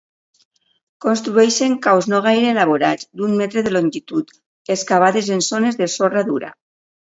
Construeixen caus no gaire elaborats, d'un metre de longitud, excavades en zones de sorra dura.